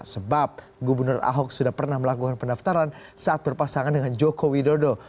sebab gubernur ahok sudah pernah melakukan pendaftaran saat berpasangan dengan joko widodo